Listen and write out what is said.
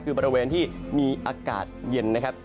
คือบริเวณที่มีอากาศเย็นนะครับ